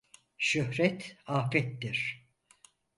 Şöhret afettir.